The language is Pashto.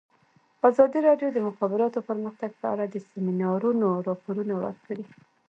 ازادي راډیو د د مخابراتو پرمختګ په اړه د سیمینارونو راپورونه ورکړي.